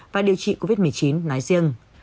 và điều trị covid một mươi chín nói riêng